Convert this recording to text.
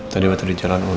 tadi waktu di jalan um